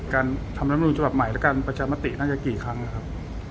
การทำรัฐมนุนฉบับใหม่และการประชามติน่าจะกี่ครั้งนะครับ